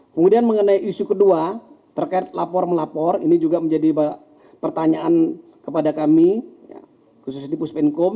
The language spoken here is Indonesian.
kemudian mengenai isu kedua terkait lapor melapor ini juga menjadi pertanyaan kepada kami khususnya di puspenkum